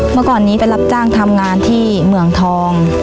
เมื่อก่อนนี้ไปรับจ้างทำงานที่เหมืองทอง